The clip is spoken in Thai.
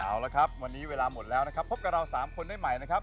เอาละครับวันนี้เวลาหมดแล้วนะครับพบกับเรา๓คนได้ใหม่นะครับ